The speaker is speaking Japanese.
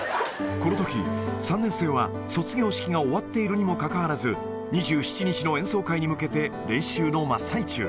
このとき、３年生は卒業式が終わっているにもかかわらず、２７日の演奏会に向けて練習の真っ最中。